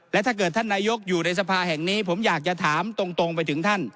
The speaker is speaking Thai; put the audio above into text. และถ้าเกิดท่านนายกอยู่ในสภาแห่งนี้ผมอยากจะถามตรงไปถึงท่าน